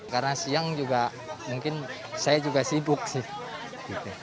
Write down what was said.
karena siang juga mungkin saya juga sibuk sih